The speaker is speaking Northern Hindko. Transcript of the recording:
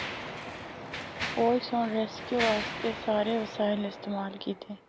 فوج سنڑ ریسکیو اسطے سارے وسائل استعمال کیتے۔